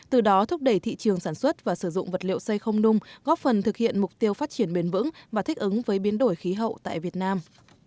từ đó thúc đẩy thị trường sản xuất và sử dụng vật liệu xây không nung góp phần thực hiện mục tiêu phát triển bền vững và thích ứng với biến đổi khí hậu tại việt nam